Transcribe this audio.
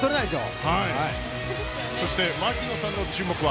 そして、槙野さんの注目は？